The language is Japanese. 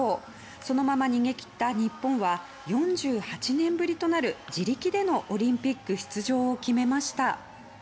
そのまま逃げ切った日本は４８年ぶりとなる自力でのオリンピック出場を決めました。